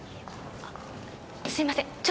あすいません